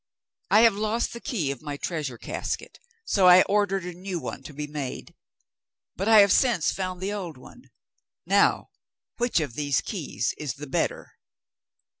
I had lost the key of my treasure casket, so I ordered a new one to be made; but I have since found the old one. Now, which of these keys is the better?